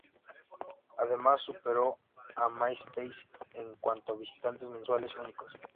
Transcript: Además superó a MySpace en cuanto a visitantes mensuales únicos.